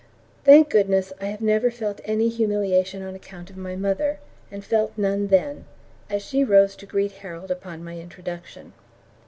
Thank goodness I have never felt any humiliation on account of my mother, and felt none then, as she rose to greet Harold upon my introduction.